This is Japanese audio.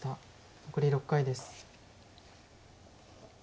残り６回です。